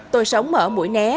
tôi sống ở bội né